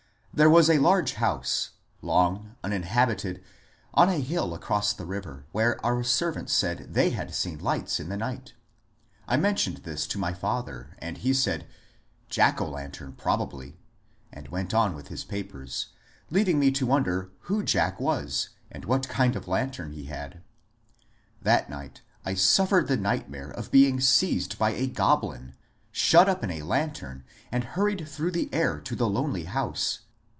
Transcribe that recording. There was a large house, long uninhabited, on a hill across the river, where our servants said they had seen lights in the night. I mentioned this to my father, and he said, '^ Jack o' lantern, probably," and went on with his papers, leaving me to wonder who Jack was, and what kind of lantern he had. That night I suffered the nightmare of being seized by a goblin, shut up in a lantern and hurried through the air to the lonely house.